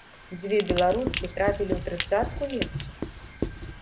Дзве беларускі трапілі ў трыццатку лепшых.